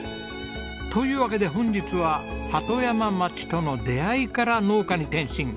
というわけで本日は鳩山町との出会いから農家に転身。